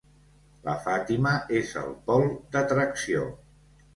La Fàtima és el pol d'atracció.